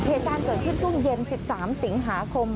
เทศานเกิดขึ้นช่วงเย็น๑๓สิงหาคม